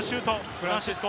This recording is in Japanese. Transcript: フランシスコ。